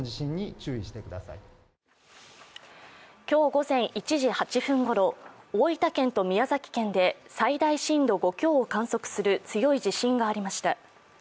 今日午前１時８分ごろ、大分県と宮崎県で最大震度５強を観測する、強い地震がありました。